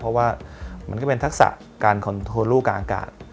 เพราะว่ามันก็เป็นทักษะการคอนโทรลูกลางอากาศ